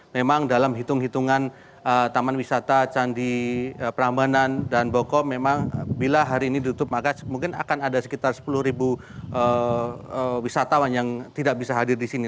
memang dalam hitung hitungan taman wisata candi prambanan dan boko memang bila hari ini ditutup maka mungkin akan ada sekitar sepuluh ribu wisatawan yang tidak bisa hadir di sini